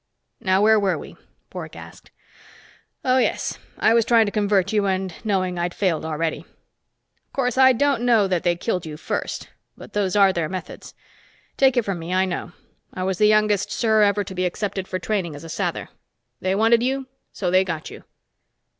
"Now where were we?" Bork asked. "Oh, yes, I was trying to convert you and knowing I'd failed already. Of course, I don't know that they killed you first but those are their methods. Take it from me, I know. I was the youngest Ser ever to be accepted for training as a Sather. They wanted you, so they got you."